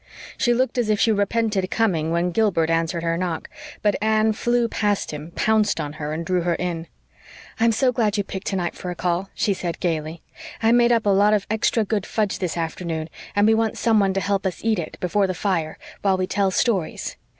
She looked as if she repented coming when Gilbert answered her knock; but Anne flew past him, pounced on her, and drew her in. "I'm so glad you picked tonight for a call," she said gaily. "I made up a lot of extra good fudge this afternoon and we want someone to help us eat it before the fire while we tell stories.